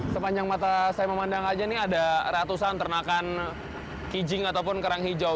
sepanjang mata saya memandang aja nih ada ratusan ternakan kijing ataupun kerang hijau